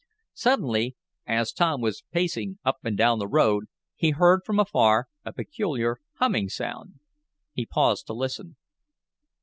Suddenly, as Tom was pacing up and down the road, he heard from afar, a peculiar humming sound. He paused to listen.